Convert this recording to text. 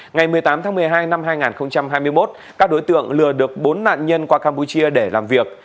ngày một mươi tám tháng một mươi hai năm hai nghìn hai mươi một các đối tượng lừa được bốn nạn nhân qua campuchia để làm việc